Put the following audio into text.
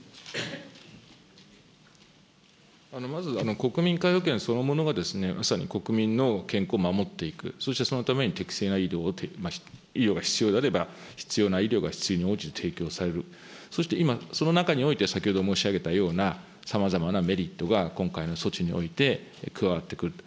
まずは、国民皆保険そのものが、まさに国民の健康を守っていく、そしてそのために適正な医療が必要であれば、必要な医療が必要に応じて提供される、そして今、その中において、先ほど申し上げたような、さまざまなメリットが今回の措置において、加わってくると。